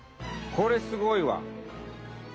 これすごいわ。